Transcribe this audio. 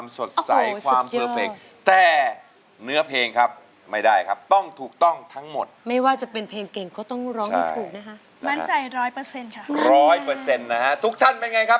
ไม่ว่าจะเป็นเพลงเก่งก็ต้องร้องที่ถูกนะครับ